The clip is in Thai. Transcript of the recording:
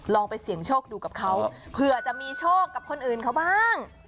ลองไปเสี่ยงโชคดูกับเขาเผื่อจะมีโชคกับคนอื่นเขาบ้าง